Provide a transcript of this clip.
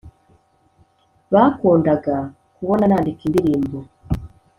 bakundaga kubona nandika indirimbo,